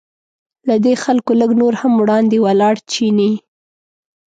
له دې خلکو لږ نور هم وړاندې ولاړ چیني.